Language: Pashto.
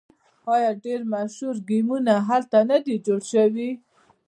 آیا ډیر مشهور ګیمونه هلته نه دي جوړ شوي؟